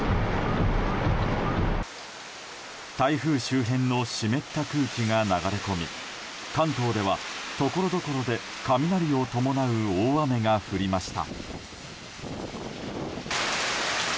台風周辺の湿った空気が流れ込み関東ではところどころで雷を伴う大雨が降りました。